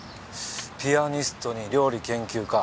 ピアニストに料理研究家